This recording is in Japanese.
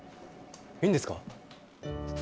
いいんですか？